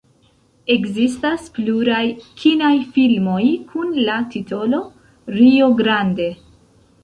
Ekzistas pluraj kinaj filmoj kun la titolo "Rio Grande".